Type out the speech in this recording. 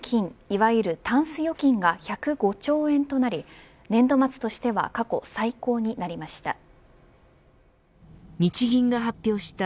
いわゆるタンス預金が１０５兆円となり年度末としては過去最高になりました。